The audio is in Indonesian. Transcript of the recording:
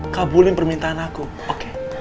kabulin permintaan aku oke